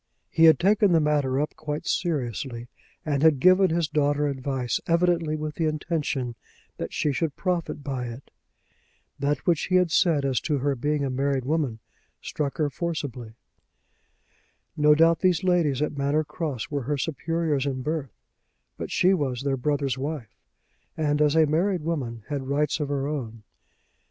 He had taken the matter up quite seriously, and had given his daughter advice evidently with the intention that she should profit by it. That which he had said as to her being a married woman struck her forcibly. No doubt these ladies at Manor Cross were her superiors in birth; but she was their brother's wife, and as a married woman had rights of her own.